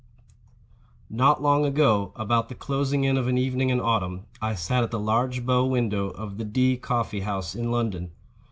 Not long ago, about the closing in of an evening in autumn, I sat at the large bow window of the D—— Coffee House in London.